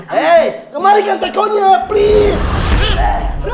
hei kemarikan teko nya please